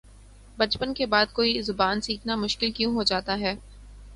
بچپن کے بعد کوئی زبان سیکھنا مشکل کیوں ہوجاتا ہے